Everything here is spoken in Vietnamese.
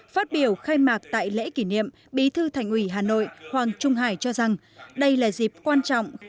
phát biểu khai mạc tại lễ kỷ niệm bí thư thành ủy hà nội hoàng trung hải cho rằng đây là dịp quan trọng